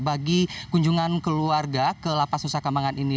bagi kunjungan keluarga ke lapas nusa kambangan ini